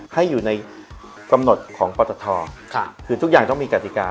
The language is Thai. ให้อยู่ในกำหนดของปตทคือทุกอย่างต้องมีกฎิกา